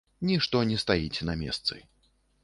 Нішто не стаіць на месцы.